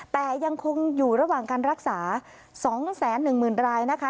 แต่ยังคงอยู่ระหว่างการรักษา๒๑๐๐๐รายนะคะ